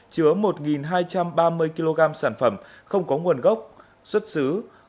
chứa một hai trăm ba mươi kg sản phẩm không có nguồn gốc xuất xứ